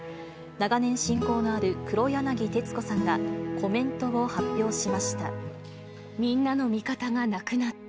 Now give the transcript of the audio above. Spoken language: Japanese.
長年親交のある黒柳徹子さんがコメントを発表しました。